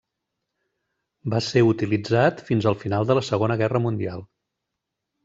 Va ser utilitzat fins al final de la Segona Guerra Mundial.